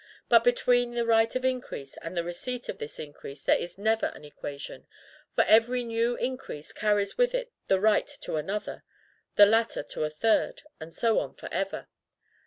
But between the right of increase and the receipt of this increase there is never an equation; for every new increase carries with it the right to another, the latter to a third, and so on for ever.